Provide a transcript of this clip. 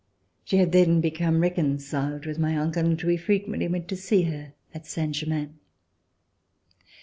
She had then become reconciled with my uncle, and we frequently went to see her at Saint Germain.